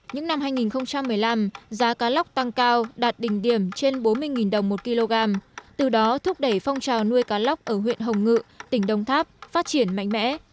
những năm hai nghìn một mươi năm giá cá lóc tăng cao đạt đỉnh điểm trên bốn mươi đồng một kg từ đó thúc đẩy phong trào nuôi cá lóc ở huyện hồng ngự tỉnh đông tháp phát triển mạnh mẽ